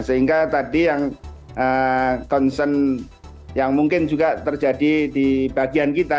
sehingga tadi yang concern yang mungkin juga terjadi di bagian kita